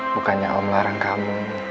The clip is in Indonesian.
bukannya om larang kamu